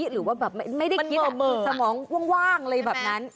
หรือว่าแบบไม่ได้คิดสมองว่างอะไรแบบนั้น